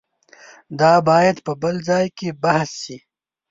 دا باید په بل ځای کې بحث شي.